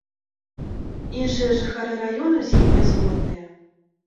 Іншыя жыхары раёну з ім нязгодныя.